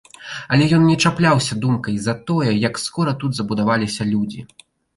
Але ён не чапляўся думкай за тое, як скора тут забудаваліся людзі.